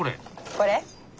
これ？